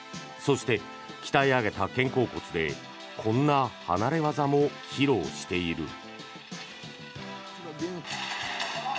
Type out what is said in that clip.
そして、鍛え上げた肩甲骨でこんな離れ業も披露している。